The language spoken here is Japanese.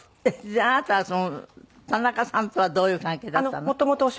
じゃああなたはそのタナカさんとはどういう関係だったの？